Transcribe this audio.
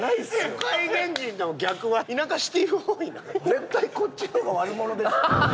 絶対こっちの方が悪者ですって。